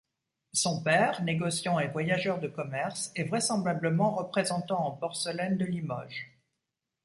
Son père, négociant et voyageur de commerce, est vraisemblablement représentant en porcelaine de Limoges.